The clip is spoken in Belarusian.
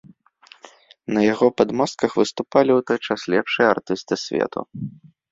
На яго падмостках выступалі ў той час лепшыя артысты свету.